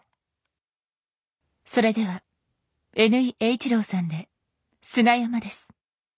それではＮ井Ｈ郎さんで「砂山」です。